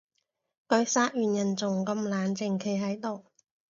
佢殺完人仲咁冷靜企喺度